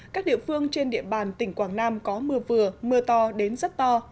các địa phương trên địa bàn tỉnh quảng nam có mưa vừa mưa to đến rất to